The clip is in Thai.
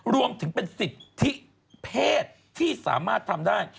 รวมถึงเป็นสิทธิเพศที่สามารถทำได้